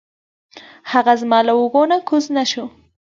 هغه زما له اوږو نه کوز نه شو.